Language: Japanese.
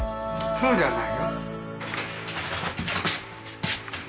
そうじゃないよ。